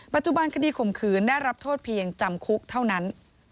คดีข่มขืนได้รับโทษเพียงจำคุกเท่านั้น